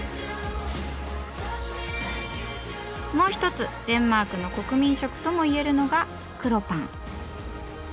もう一つデンマークの国民食とも言えるのが黒パン。